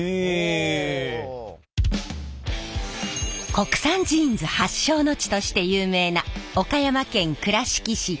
国産ジーンズ発祥の地として有名な岡山県倉敷市児島。